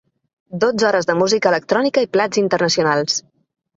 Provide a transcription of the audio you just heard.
Dotze hores de música electrònica i plats internacionals.